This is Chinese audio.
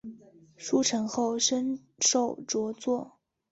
书成后升授着作。